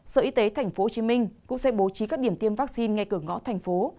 sở y tế tp hcm cũng sẽ bố trí các điểm tiêm vaccine ngay cửa ngõ thành phố